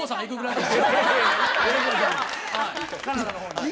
よろしくお願いします。